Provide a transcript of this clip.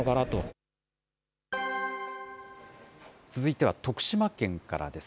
続いては徳島県からです。